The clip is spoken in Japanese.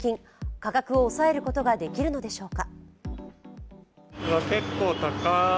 価格を抑えることができるのでしょうか。